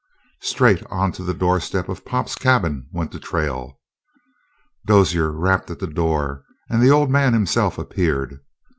Straight on to the doorstep of Pop's cabin went the trail. Dozier rapped at the door, and the old man himself appeared.